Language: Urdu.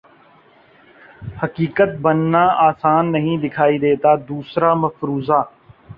حقیقت بننا آسان نہیں دکھائی دیتا دوسرا مفروضہ